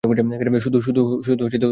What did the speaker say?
শুধু তুমি শুনেছো।